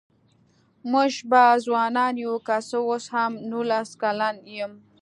مونږ به ځوانان يوو که څه اوس هم نوولس کلن يم